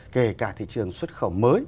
kể cả thị trường xuất khẩu mới